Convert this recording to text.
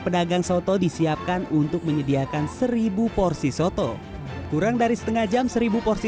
pedagang soto disiapkan untuk menyediakan seribu porsi soto kurang dari setengah jam seribu porsi